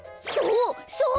そう！